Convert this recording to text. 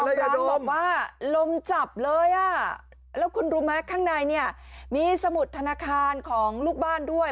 บอกว่าลมจับเลยอ่ะแล้วคุณรู้ไหมข้างในเนี่ยมีสมุดธนาคารของลูกบ้านด้วย